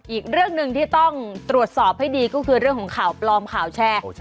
อีกเรื่องหนึ่งที่ต้องตรวจสอบให้ดีก็คือเรื่องของข่าวปลอมข่าวแชร์